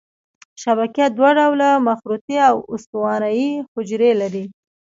شبکیه دوه ډوله مخروطي او استوانه یي حجرې لري.